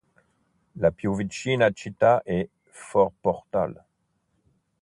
La più vicina città è Fort Portal.